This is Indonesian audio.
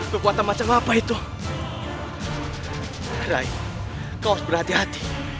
kau harus berhati hati